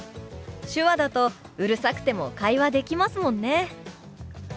手話だとうるさくても会話できますもんね。